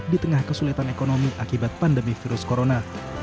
di tengah kesulitan ekonomi akibat pandemi virus corona